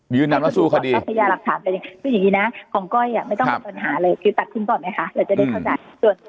นึกยังไงนะของก้อยไม่ต้องรับปัญหาเลยคือตัดติดต่อไหมคะเราจะได้เข้าใจ